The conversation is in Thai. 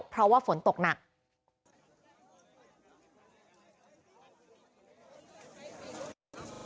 เพราะว่าฝนตกหนัก